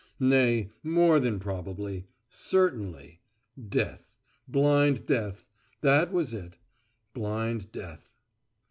Nay, more than probably. Certainly. Death. Blind death. That was it. Blind death.